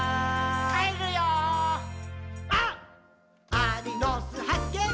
アリの巣はっけん